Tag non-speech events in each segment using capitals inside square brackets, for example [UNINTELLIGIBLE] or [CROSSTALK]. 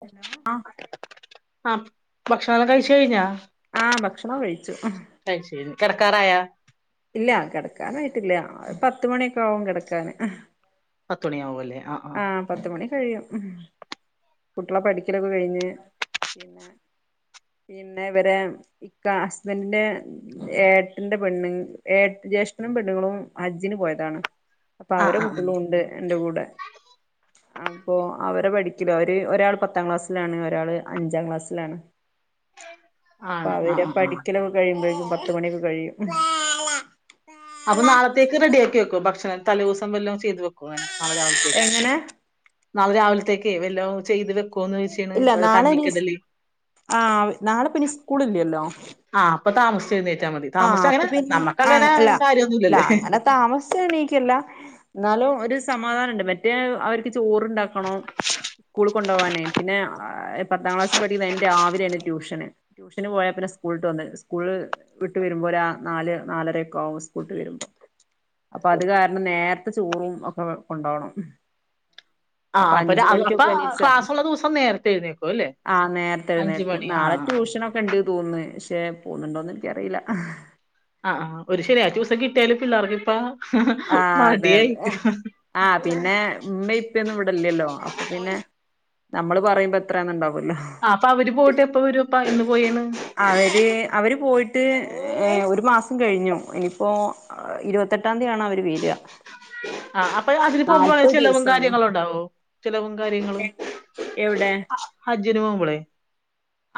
ആ ഹലോ [UNINTELLIGIBLE] ഭക്ഷണം ഒക്കെ കഴിച്ച് കഴിഞ്ഞോ? ആഹ ഭക്ഷണം കഴിച്ചു കെടക്കാറായോ ഇല്ല കിടക്കാനായിട്ടില്ല പത്ത് മണിയൊക്കെ ആകും കിടക്കാന് പത്തു മണിയാവും അല്ലേ ആ പത്തു മണി കഴിയും കുട്ടളെ പഠിക്കലൊക്കെ കഴിഞ്ഞ് പിന്നെ ഇവരെ ഇക്ക ഹസ്ബൻഡിന്റെ ഏട്ടന്റെ പെണ്ണു ഏ ജ്യേഷ്ഠനും പെണ്ണുങ്ങളും ഹജ്ജിന് പോയതാണ് അപ്പൊ ആ അവരെ ആ കുട്ട്യാളും ആ ഉണ്ട് എന്റെ കൂടെ അപ്പൊ അവരെ പഠിക്കലും അവര് ഒരാൾ പത്താം ക്ലാസ്സിലാണ് ഒരാള് അഞ്ചാം ക്ലാസ്സിലാണ് അപ്പൊ ആണ് ആ അവര് ആ ആ പഠിക്കലൊക്കെ കഴിയുമ്പോഴേക്കും പത്തുമണി ഒക്കെ കഴിയും അപ്പൊ നാളത്തേക്ക് റെഡിയാക്കി വെക്കോ ഭക്ഷണം തലേ ദിവസമെല്ലാം ചെയ്തു വെക്കുംങ്ങനെ നാളെ രാവിലത്തേക്ക് എങ്ങനെ നാളെ രാവിലത്തേക്ക് വല്ലോ ചെയ്ത് വെക്കോന്ന് ചോദിച്ചാണ് ഇല്ല ഒരു നാളെ ഇനി കഞ്ഞിക്കടല് ആ നാളെപ്പ ഇനി സ്കൂളില്ലല്ലോ ആ അപ്പൊ താമസിച്ചഴു നേൽക്ക ആ അപ്പൊ പിന്നെ ആ അല്ലല്ല കാര്യൊന്നുല്ലല്ലേ അങ്ങനെ താമസിച്ചണീക്ക്ല്ല എന്നാലും ഒരു സമാധാനംണ്ട് മറ്റേ അവർക്ക് ചോറുണ്ടാക്കണം കു കൊണ്ടുപോകാനേ പിന്നെ പത്താം ക്ലാസ് പഠി രാവിലെയാണ് ട്യൂഷന് ട്യൂഷന് പോയപ്പിന്നെ സ്കൂള്ട്ട് വന്ന് സ്കൂള് വിട്ട് വരുമ്പോ ഒരു ആ നാല് നാലരൊക്കെ ആകും സ്കൂള്ട്ട് വരുമ്പോ അപ്പൊ അത് കാരണം നേർത്തെ ചോറും ഒക്കെ കൊണ്ടാവണം ആ അപ്പൊ അഞ്ച് അപ്പൊ മണിക്കൊക്കെ എണീച്ചാ ക്ലാസ്സുള്ള ദിവസം നേരത്തെ എഴുന്നേക്കും അല്ലേ ആ അഞ്ച് നേരത്തെഴുന്നേക്കും മണി ആ നാളെ ട്യൂഷനൊക്കെ ഇണ്ട് തോന്നന്ന് ചേ പോകുന്നുണ്ടോന്ന് അറിയില്ല ആ ആ ഒരു ശരി ആ ദിവസം കിട്ട തലുപ്പിലാക്കിപ്പാ ആ അതെ അതെ ആ പിന്നെ ഇമ മ്മിഇപ്പിം വിടല്ലല്ലോ അപ്പൊ പിന്നെ നമ്മള് പറയുമ്പോ എത്രയാെന്നുണ്ടാകും ആ അപ്പ അവര് പോയിട്ട് എപ്പൊ വരും പയിന്നു അവര് അവര് പോയിട്ട് ഏ ഒരു മാസം കഴിഞ്ഞു എനിപ്പോ ഇരുപത്തെട്ടാംതീ ആണ് അവര് വെരാ ആ അപ്പഴ് അതിന് പോവുമ്പോ ചെലവും കാര്യങ്ങളുണ്ടാവോ ചെലവും എ കാര്യങ്ങളും എവിടെ ആ ഹജ് ജിന് പോവ്മ്പളെ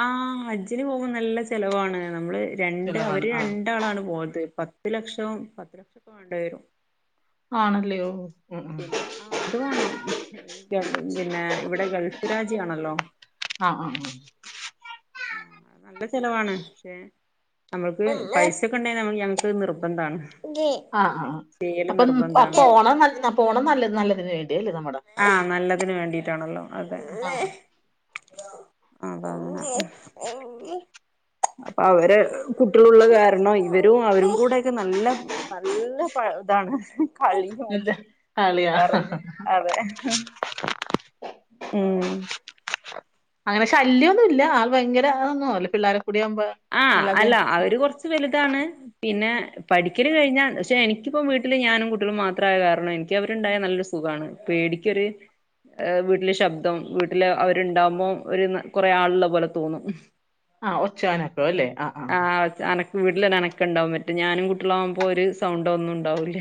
ആ ഹജ്ജിന് പോവ്മ്പ നല്ല ചെലവാണ് നമ്മള് രണ്ട് ചെലവാണ് അവര് ആഹ് രണ്ടാളാണ് പോയത് പത്ത് ലക്ഷം പത്തു ലക്ഷക്ക വേണ്ടേരും ആണല്ലേ ഓ പിന്നെ ആ അത് വാണം പിന്നെ ഇവിടെ ഗൾഫ് രാജ്യാണല്ലോ ആ ആ ആ ആ അത് നല്ല ചെലവാണ് ക്ഷെ നമ്മൾക്ക് പൈസെക്ക ഉണ്ടേൽ നമ്മൾ ഞങ്ങക്ക് നിർബന്ധാണ് ആ ആ ആ ചെയ്യല് അപ്പം ആ നിർബന്ധാണ് പോണം നൽ ആ പോണം നല്ലത് നല്ലതിന് വേ ആ നല്ലതിന് വേണ്ടിട്ടാണല്ലോ അതെ ആഹ് അതാണ് അപ്പ അവര് കുട്ടില്ള്ള കാരണം ഇവരും അവരും കൂടെയെക്ക നല്ല നല്ല പ താണ് എന്ത്‌ കളിയാ അതെ ഉം അങ്ങനെ ശല്ല്യൊന്നു ഇല്ല ആൾ ഭയങ്കര അതൊന്നും പിള്ളാര് ആ അല്ല അവര് കൊറച്ച് വലുതാണ് പിന്നെ പഠിക്കല് കഴിഞ്ഞാ ക്ഷെ എനിക്കിപ്പം വീട്ടില് ഞാനും കുട്ടികളും മാത്രായ കാരണം എനിക്ക് അവര്ണ്ടായ നല്ല സുഖാണ് പേടിക്കൊര് ഏഹ് വീട്ടില് ശബ്ദം വീട്ടില് അവര്ണ്ടാമ്പോം ഒരു ന കൊറേ ആള് ള്ള പോലെ തോന്നും ആ ഒ ച്ചെനക്കോല്ലെ ആ ആ വീട്ടിലൊരനക്ക ഇണ്ടാവും മറ്റ് ഞാനും കുട്ടിളാമ്പോ ഒര് സൗണ്ടോ ഒന്നു ഉണ്ടാവുല്ല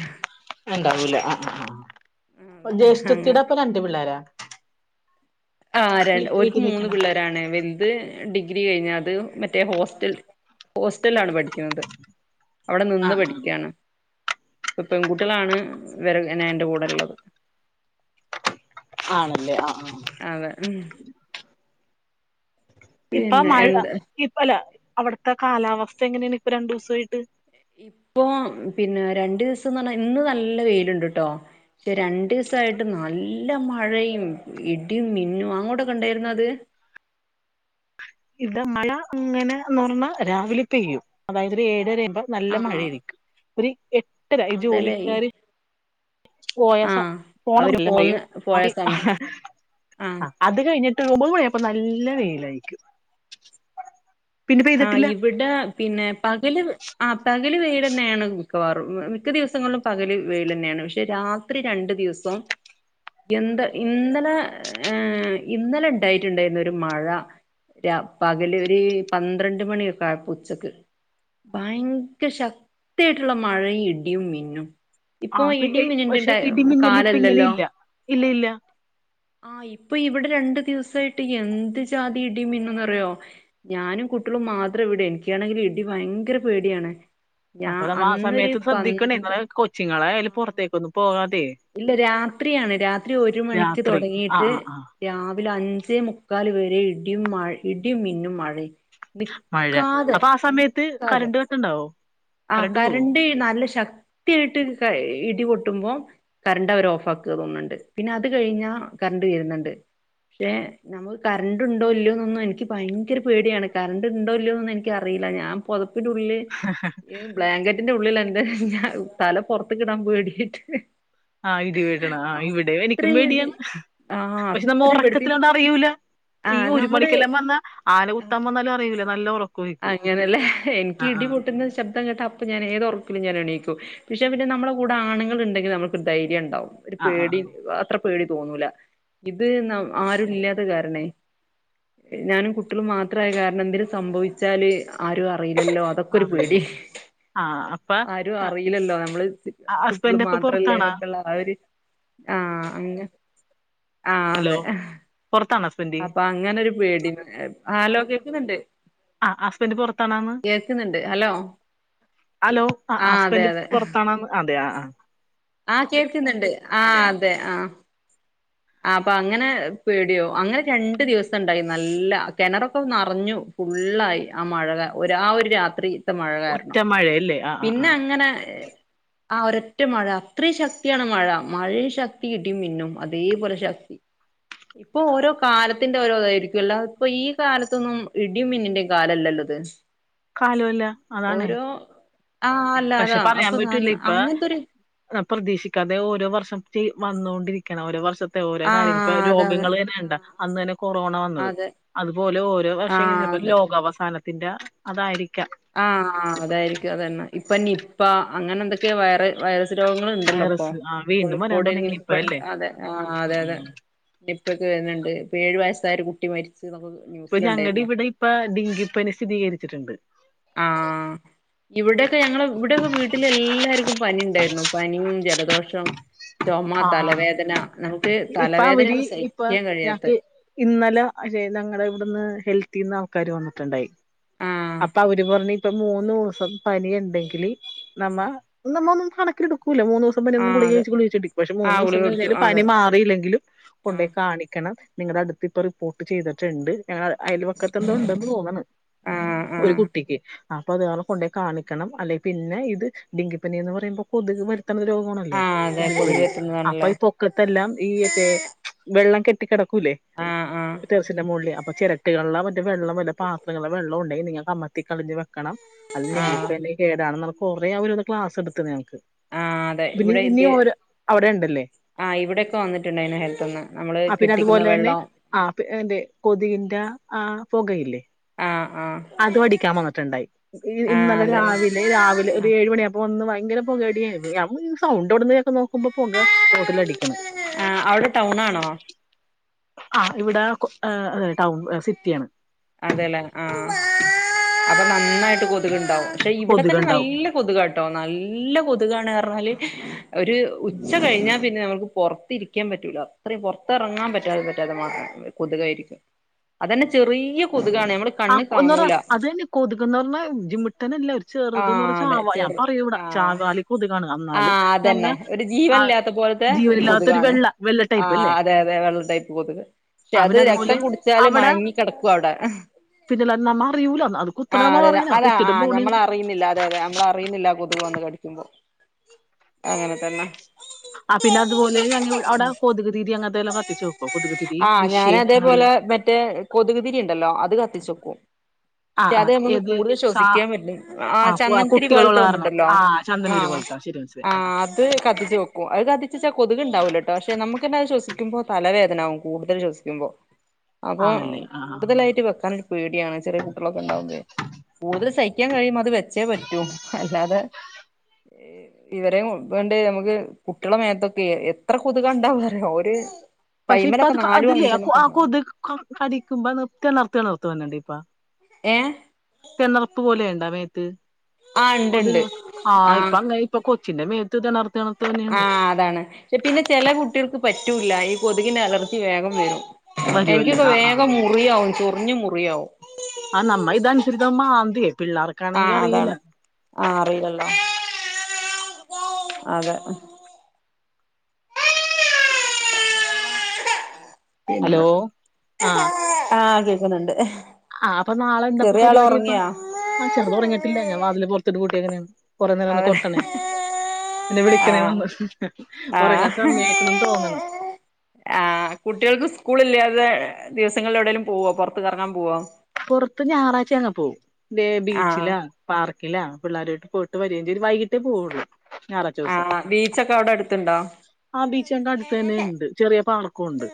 ഇണ്ടാവൂല ആ ആ ആ പ്പ അതെ അങ്ങനെ ജ്യേഷ്ഠത്തീടെ അപ്പൊ രണ്ട് പിള്ളേരാ ആ ര വീ ഓര്ക്ക് വീട്ടിൽ മൂന്ന് നിക്കണ പിള്ളേരാണ് വെല്ത് ഡിഗ്രി കഴിഞ്ഞ അത് മറ്റേ ഹോസ്റ്റൽ ഹോസ്റ്റൽലാണ് പഠിക്കന്നത് അവിടെ നിന്ന് ആഹ് ആഹ് പഠിക്കാണ് പ്പൊ പെൺകുട്ടിളാണ് വരെ എന്നെ എന്റെ കൂടെ ള്ളത് ആണല്ലേ ആ ആ അതെ ഇപ്പ പിന്നെ മഴ എന്ത് ഇപ്പല്ല അവിട്ത്തെ കാലാവസ്ഥ എങ്ങനെണ് ഇപ്പൊ രണ്ടൂസായിട്ട് ഇപ്പൊ പിന്നെ രണ്ടൂസംന്ന് പറഞ്ഞാ ഇന്ന് നല്ല വെയില്ണ്ട്ട്ടോ റ്റെ രണ്ടൂ സായിട്ട് നല്ല മഴയും ഇടീം മിന്നും അങ്ങോട്ടൊക്കെ ഇണ്ടായിരുന്നു അത്? ഇത് മഴ അങ്ങനെന്ന് പറഞ്ഞാ രാവിലെ പെയ്യും അതായത് ഒരു ഏഴര നല്ല ആഹ് മഴയായിരിക്കും ഒരു എട്ടര അതല്ലേ ജോലിക്കാാര് പോയാസ ആഹ് പോണം അവര് നല്ല ഹ ഹ പോന്ന് മഴയും പോയ സമയം ആഹ് അത് കഴിഞ്ഞിട്ട് ഒമ്പത്‌ മണിയായപ്പ നല്ല വെയിലായിരിക്കും പിന്നെ ആ പെയ്തിട്ടില്ല ഇവിടെ പിന്നെ പകല് ആ പകല് വെയ്ല് തന്നെയാണ് മിക്കവാറും മിക്ക ദിവസങ്ങളിലും പകല് വെയിൽ തന്നെയാണ് പക്ഷെ രാത്രി രണ്ട് ദിവസം എന്താ ഇന്നലെ ഇണ്ടായിട്ടുരുന്നു ഒരു മഴ പകല് ഒരു പന്ത്രണ്ട് മണിയൊക്കെ ആയപ്പ ഉച്ചക്ക് ഭയങ്കര ശക്തിയായിട്ടുള്ള മഴയും ഇടിയും മിന്നും ഇപ്പൊ ആപ്പ ഇടിയും മിന്നിന്റെ പക്ഷെ ടൈ ഇടിമിന്നല് ഇപ്പ ഇങ്ങനെ കാലല്ലല്ലോ ഇല്ല ഇല്ല ഇല്ല ആഹ് ഇപ്പൊ ഇവിടെ രണ്ടു ദിവസായിട്ട് എന്ത് ജാതി ഇട മന്നന്ന്റിയോ ഞാനും കുട്ടികളും മാത്രം ഇവിടെ എനിക്കാണെങ്കില് ഇടി ഭയങ്കര പേടിയാണ് ഞാ അപ്പൊ നമ്മ ആ അന്നൊരു സമയത്ത് ശ്രദ്ധിക്കണേ പന്ത് ങ്ങളെ കൊച്ചിങ്ങളേ അതില് ആഹ് പുറത്തേക്കൊന്നും പോകാതെ ഇല്ല രാത്രിയാണ് രാത്രി ഒരു മണിക്ക് രാത്രി ആ തുടങ്ങിയിട്ട് ആ ആ രാ രാവിലെ അഞ്ചേ മുക്കാൽ വരെ ഇടിയും മ ഇടിയും മിന്നും മഴ മഴ അപ്പൊ ആ സമയത്ത് കരണ്ട് കട്ടുണ്ടാവോ ആ കരണ്ട് നല്ല ശക്തിയായിട്ട് ഇടി പൊട്ടുമ്പോൾ കരണ്ട് അവർ ഓഫ് ആക്കുക തോന്നുന്നുണ്ട് പിന്നെ അത് കഴിഞ്ഞാ കരണ്ട് വരുന്നുണ്ട് പക്ഷെ നമുക്ക് കരണ്ട് ഉണ്ടോല്ലോന്നൊന്നും എനിക്ക് ഭയങ്കര പേടിയാണ് കരണ്ട് ഉണ്ടോല്ലോന്നൊന്നും എനിക്കറിയില്ല ഞാൻ പൊതപ്പ് ഇതിന്റെ ഉള്ളില് ബ്ലാങ്കറ്റിന്റെ ഉള്ളില എന്തെ തല പൊറത്ത് കിടാൻ പേടിയായിട്ട് ആഹ് ഇടി വേടണ ആ ഇവിടെ എനിക്കും അത്രയിടി പേടിയാണ് ആഹ് പക്ഷെ നമ്മ അത്രയും പേടി ഉറക്കത്തി പിന്നെ കൊണ്ട് അറിയൂല്ല ഈ ആഹ് ഒരു നമ്മള് മണിക്കെല്ലാം വന്ന ആന കുത്താൻ വന്നാലും അറിയൂല്ല നല്ല ഉറ അങ്ങനല്ലേ എനിക്ക് ഇടി പൊട്ടുന്ന ശബ്ദം കേട്ട അപ്പൾ ഞാൻ ഏത് ഉറിക്കിലും ഞാൻ എണിക്കും പക്ഷെ പിന്നെ നമ്മുടെ കൂടെ ആണുങ്ങൾ ഉണ്ടെങ്കിൽ നമ്മക്ക്‌ ഒരു ധൈര്യം ഉണ്ടാവും ഒരു ആഹ് പേടി ആഹ് ആഹ് അത്ര പേടി തോന്നൂല ഇത് ആരും ഇല്ലാത്ത കാരണേ ഞാനും കുട്ടികളും മാത്രമായ കാരണം എന്തെങ്കിലും സംഭവിക്കു ച്ചാല് ആരും അറിയി ല്ലോ അതൊക്കെ ആഹ് ഒരു പേടി അറിയില്ല ആഹ് അപ്പ ആരും അറിയില്ലല്ലോ നമ്മള് കുട്ടികൾ ഹസ്ബൻഡ് അപ്പൊ മാത്രല്ലേ പൊറത്താണാ എന്നൊക്കെയുള്ള ആ ഒരു ആ അങ്ങ ആഹ ഹലോ അതെ പൊറത്താണോ ഹസ്ബൻഡ് അപ്പൊ അങ്ങനെരു പേടി ആലോകക്കുന്നുണ്ട് ആ ഹസ്ബൻഡ് പുറത്തണന്ന് ഹലോ ഹലോ ആ ഹസ്ബൻഡ പുറത്താണന്ന് അതെയ ആ [UNINTELLIGIBLE] ആഹ കേൾക്കുന്നുണ്ട് ആ അതെ ആഹ ആ അപ്പൊ അങ്ങനെ പേടിയോ അങ്ങനെ രണ്ടു ദിവസം ഉണ്ടായിരുന്നു നല്ല കിണറൊക്കെ നറഞ്ഞു ഫുള്ളായി ആ മഴ കാര ഒ ഒരു രാത്രി മത്ത മഴ ഒറ്റ കാരണം മഴയല്ലേ ആഹ് ആഹ് പിന്നെ ആഹ് അങ്ങനെ ആ ഒരൊറ്റ മഴ അത്രേം ശക്ത്യാണ് മഴ. മഴയും ശക്തി ഇടിമിന്നും അതേപോലെ ശക്തി. ഇപ്പോ ഓരോ കാലത്തിന്റെ ഓരോതായിരിക്കും. അല്ലാതെ ഇപ്പ ഈ കാലത്തൊന്നും ഇടിയും മിന്നിന്റെ കാലല്ലല്ലോത്. കാലോല്ല അതാണേ ആ അല്ല പക്ഷേ അതാ പറയാൻ അപ്പൊ പറ്റൂല ഇപ്പ അങ്ങനത്തൊരു പ്രതീക്ഷിക്കാതെ ഓരോ വർഷം ചെയ്യും വന്നോണ്ടിരിക്കണേ ഒരോ വർഷ ഓരോ ആ കാര്യങ്ങൾ. ഇപ്പ അതാണ് രോഗങ്ങളന്നെ കണ്ട ആ അന്ന് തന്നെ കൊറോണ വന്നത്. അതെ അത്പോലെ ഓരോ വർഷ ഇങ്ങനെ ആഹ് പ്പ ഒര് ലോകാവസാനത്ത് ഇതിന്റെ അതായിരിക്കാം ആ ആ അതായിരിക്കും അതന്നെ. ഇപ്പ നിപ്പ അങ്ങനെ എന്തൊക്കെയൊ വേറെ വൈറസ് രോഗങ്ങള് ഇണ്ടല്ലോ ഇപ്പോ. വൈറസ് ആ വീണ്ടും വരാൻ കോഴിക്കോട് തുടങ്ങിന് നിപ്പണ്ട്. ഇപ്പഴല്ലേ അതെ ആ അതെ അതെ നിപ്പൊക്കെ വരുണുണ്ട് ഏഴു വയസ്സായ ഒരു കുട്ടി മരിച്ചു എന്നൊക്കെ ഇപ്പൊ ഞങ്ങളുടെ ന്യൂസിലുണ്ടായിരുന്നു ഇവിടെ ഇപ്പ ഡങ്കിപ്പനി സ്ഥിതികരിച്ചിട്ടിണ്ട് ആഹ് ഇവിടെയൊക്കെ ഞങ്ങള് ഇവിടെയൊക്കെ വീട്ടിൽ എല്ലാർക്കും പനി ഇണ്ടായിരുന്നു പനിയും ജലദോഷം ചുമ ആ തലവേദന നമുക്ക് ഇപ്പ അവര് തലവേദനയൊന്നും ഇപ്പൊ സഹിക്കാൻ കഴിയാത്ത ഞാക്ക് ഇന്നലെ ഞങ്ങടെ ഇവിടുന്ന് ഹെൽത്ത് ഹെൽത്തിന്ന് ആൾക്കാര് വന്നിട്ടിണ്ടായി ആഹ് അപ്പൊ അവര് പറഞ്ഞ് ഇപ്പ മൂന്ന് ദിവസം പനി ഇണ്ടെങ്കില് നമ്മ നമ്മ കണക്കെടു ഇല്ല മൂന്ന് ദിവസം പിന്നെ നമ്മള് ആഹ് ഗുളിക അതെ കഴിച്ച് ഗുളിക കഴിചിട്ടിരിക്കും മൂന്ന് ആഹ് ഗുളിക ദിവസം കുടിക്കും കഴിഞ്ഞാലും അതെ പനി മാറിയില്ലെങ്കിലും കൊണ്ട് ആഹ് കാണിക്കണം കാരണം നിങ്ങടെ അടുത്ത് ഇപ്പം റിപ്പോർട്ട്‌ ചെയ്തിട്ടുണ്ട് അയൽവക്കതെന്തൊ ഉണ്ടെന്ന് തോന്നണ് ആഹ് ഒരു ആഹ് കുട്ടിക്ക് അപ്പ അതെകാരണം കൊണ്ടെകാണിക്കണം അല്ലേ പിന്നെ ഇത് ഡെങ്കിപ്പനിന്ന് പറയുമ്പോ കൊതുക് പരത്തണ രോഗമാണല്ലോ ആഹ് അതെ കൊതുകു കൊതുക് വഴി അപ്പൊ എത്തുന്നതാണല്ലോ ഇപൊക്കത്തെല്ലാം നീയല്ലേ വെള്ളം കെട്ടികിടക്കും ലെ ആഹ് ആഹ് ടെറസിന്റെ മോളിൽ അപ്പൊ ചിരട്ടയിലിള്ള മറ്റേ വെള്ളം പത്രങ്ങളെ വെള്ളം ഉണ്ടെങ്കിൽ നിങ്ങൾകമത്തി കളഞ്ഞ് വെക്കണം അല്ല അത് ആഹ് നിങ്ങക്ക്ന്നെ കേടാണെന്ന് കൊറേ അവരത് ക്ലാസ് എടുത്തു ഞങ്ങക്ക് ആഹ അതെ പിന്നെ ഇവിടെ ഇനി ഇത് ഓരോ അവിടെ ഇണ്ടല്ലേ ആഹ് ഇവിടെയൊക്കെ വന്നിട്ടുണ്ടായിന് ഹെൽത്ത്ന്ന് നമ്മള് ആ പിന്നെ കെട്ടിക്കുന്ന അതുപോലെ തന്നെ വെള്ളം പിന്നെ കൊതിന്റെ ആ പൊകയില്ലേ ആഹ് ആഹ് അത് അടിക്കാൻ ഓടിക്കാൻവന്നിട്ടിണ്ടായി ആഹ് ഇന്നലെ അതെ രാവിലെ രാവിലെ ഒരു ഏഴു മണിയാപ്പ ഒന്ന് ഇങ്കര പുകയടിയാരുന്നു സൗണ്ട് എവിടുന്ന് കേൾക്കുന്നു നോക്കുമ്പോപുക അ അവിടെ ടൗൺ ആണോ ആ ഇവിടെ ഏ അതെ ടൗൺ സിറ്റിയാണ് അതെല്ലേ ആഹ് അപ്പൊ നന്നായിട്ട് കൊതുക്ണ്ടാവും കൊതുകുണ്ടാവും ട്ടോ നല്ല കൊതുകാണ് പറഞ്ഞാല് ഒരു ഉച്ച കഴിഞ്ഞാൽ പിന്നെ നമുക്ക് പുറത്തിരിക്കാൻ പറ്റൂല അത്രയും പുറത്തിറങ്ങാൻ പറ്റാതെ പറ്റാതെ മാ കൊതുകായിരിക്കും അതന്നെ ചെറിയ കൊതുകാണ് നമ്മള് ആ കണ്ണ് ഒന്നോർ കാണൂല അതന്നെ കോതുകെന്ന് പറഞ്ഞാ ജിമ്മിട്ടനെ എല്ലാ ആ അതെ ചെ ആഹ ചാവാലി കൊതുകാണ് ആ എന്നാലും ഞങ്ങ അതന്നെ ഒരു ആ ജീവൻല്ലാത്ത പോലത്തെ ഒരു ജീവനില്ലാത്തൊരു കൊതുകാണ് വെള്ള വെള്ള ആ ടൈപ്പ് അല്ലേ അതെ അതെ വെള്ളടൈപ്പ് കൊതുക് പക്ഷെ അത് അവന് അതുപോലെ രക്തം കുടിച്ചാല് മയങ്ങി കിടക്കും അവിട പിന്നല്ലാതെ നമ്മ അറിയൂല അത് കുത്തണ നമ്മ അറിയൂല കുത്തിയിട്ടും പോണേണ് ല്ലാ അതെ അതെ നമ്മളറിയുന്നില്ല വന്ന് കടിക്കുമ്പോ അങ്ങനെ തന്നെ ആ പിന്നെ അതുപോലെ ഞങ്ങ ഇവി അവിടെ കൊതുക് തീരി അങ്ങ ആ ഞാന് അങ്ങനെ വല്ല അതേപോലെ മറ്റേ കൊതുക് തിരി ഉണ്ടല്ലോ അത് ക ത്തിച്ചൊക്കും ആ പക്ഷെ ആ അത് നമുക്ക് ഏത് കൂടുതൽ സാ ശ്വസിക്കാൻ പറ്റും ആ കു- ചന്ദനതിരി കുട്ടികളുള്ള പോലത്തെ കാരണം വന്നണ്ടല്ലോ ആ ആ ചന്ദനതിരി പോലത്തെ ശരി മനസ്സിലായി ആ ആ. ആ്അത് കത്തിച്ചു വെക്കും അത് കത്തിച്ച് വച്ചാൽ കൊതുക് ഉണ്ടാവൂലോട്ടോ പക്ഷെ നമുക്ക് തന്നെ അത് ശ്വസിക്ക തല വേദനാവും കൂടുതൽ ശ്വസിക്കുമ്പോ അപ്പൊ ആണല്ലേ ആ ആ. കൂടുതലായിട്ട് വെക്കാനൊരു പേടിയാണ് ചെറിയ കുട്ടികളൊക്കെ ഉണ്ടാവുമ്പഴേ കൂടുതൽ സഹിക്കാൻ കഴിയുമ്പോ അത് വെച്ചേ പറ്റു അല്ലാതെ ഇവരെ വേണ്ടേ നമുക്ക് കുട്ടികള മേത്തൊക്കെ എത്ര കൊതു കണ്ടാവുന്നറിയാവോ ഒരു പക്ഷെ ഇപ്പ കൈമലൊക്കെ അത് നാലും അതിലേ ആ അഞ്ചെണ്ണൊക്കെ ആ ഉണ്ടാവും കൊതു കടിക്കുമ്പോ നിർത്ത് നിർത്ത് നിർത്ത കുത്ത കണ്ടിപ്പാ ഏ തെണർപ്പ് പോലെയുണ്ടാ മേത്ത്. ആ ഇണ്ട് കൊതു ഇണ്ട് ആ ഇപ്പ അങ്ങ ഇപ്പൊ കൊച്ചിന്റെ മേ ത് തിണർത്തേണ ആ അതാണ്. പിന്നെ ചെല കുട്ടികൾക്ക് പറ്റ പറ്റൂല്ല. ഈ കൊതുകിന്റെ അലർജി വേഗം വരും. വരുവല്ലേ എനിക്കൊക്കെ ആഹ് വേഗം ആഹ് മുറിയാവും ചോ കുഞ്ഞു മുറിയാവും. ആ നമ്മ ഇതനുസരിച്ച് അങ്ങ് മാന്തിയെ ആ അതാണ്. ആ അറിയില്ലോ അതെ. [INAUDIBLE] പിന്നെ ഹലോ ആഹ് ക്കുന്നുണ്ട് ഹേ ആ അപ്പൊ നാളെയെന്താപ്പോ പരിപാടിയപ്പോ ആ ചെറുത് ഉറങ്ങിട്ടില്ല ഞാൻ വതില് പോർ ത്തിട്ട് പൂട്ടിയേക്കണേണ്. കുറെ നേരം ഒന്ന് അവര് കൊട്ടണേ എന്നെ വിളിക്കണേ ആഹ് വന്ന് ആഹ് ഉറങ്ങാ സമയെക്കണ് തോന്നണ്. വേ ദിവസങ്ങളി എവിടേലും പോവോ? പുറത്ത് കറങ്ങാൻ പോവോ? പൊറത്ത് ഞായറാഴ്ച്ച അങ്ങ് പോകും. ബേ ആഹ് ബീച്ചിലോ പാർ ഇല്ല പിള്ളേരോട്ട് പോയിട്ട് വരികയും വൈകിട്ടേ പോവുള്ളൂ. ഞായറാഴ്ച ദിവസം ആഹ ബീച്ചൊക്കെ അവിടെ അടുത്തുണ്ടോ? ച്ച് അടുത്ത് തന്നെ ഉണ്ട്. ചെറിയ പാർക്കും ഇണ്ട്.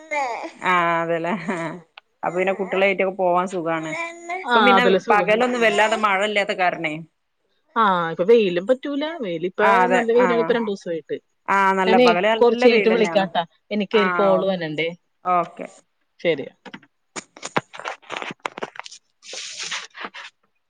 ആഹ് അതെല്ലേ. ആ അപ്പൊ പിന്നെ കുട്ടികളെ ക്കെ പോവാൻ സുഖാണ്. ആ ഇപ്പൊ പിന്നെ അതല്ല സുഖം പകലൊന്നും വല്ലാതെ മഴ ഇല്ലാത്ത കാരണേ ആഹ് ഇപ്പൊ വെയിലും പറ്റൂല. വെയിൽ ഇപ്പ ആഹ് അതെ നല്ല വെയിലാണ് ആഹ് ഇപ്പ രണ്ടു ദിവസമായിട്ട്. ആഹ് നല്ല ഞാനേ പകല് നല്ല കൊറച്ചു കഴിഞ്ഞിട്ട് വെയിലന്നെയാണ് വിളിക്കാട്ടാ എനിക്കെ ഒരു ആഹ് കോള് ഓ വരുനണ്ടേ. ഓക്കെ. ശരി. [UNINTELLIGIBLE]